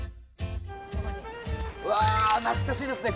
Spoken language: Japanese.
うわ懐かしいですね。